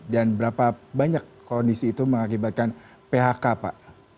berapa banyak kondisi itu mengakibatkan phk pak